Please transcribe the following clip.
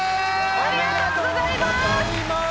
おめでとうございます！